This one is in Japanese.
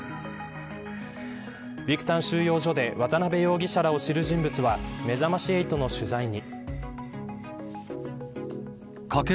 ビクタン収容所で渡辺容疑者らを知る人物はめざまし８の取材に。